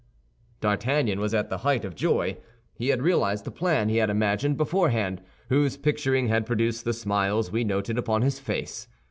D'Artagnan was at the height of joy; he had realized the plan he had imagined beforehand, whose picturing had produced the smiles we noted upon his face.